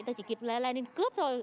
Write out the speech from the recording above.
tôi chỉ kịp lên cướp thôi